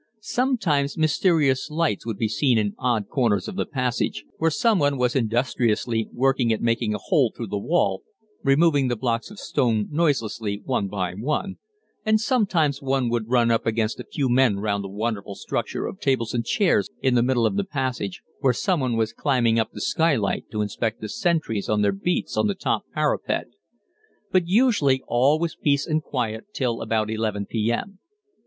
Sometimes mysterious lights would be seen in odd corners of the passage, where someone was industriously working at making a hole through the wall, removing the blocks of stone noiselessly one by one; and sometimes one would run up against a few men round a wonderful structure of tables and chairs in the middle of the passage, where someone was climbing up the skylight to inspect the sentries on their beats on the top parapet, but usually all was peace and quiet till about 11 p.m.